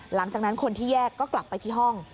หลังจากนั้นคนที่แยกก็กลับไปที่ห้อง